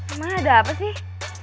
emang ada apa sih